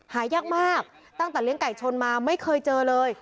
หายากมากตั้งแต่เลี้ยงไก่ชนมาไม่เคยเจอเลย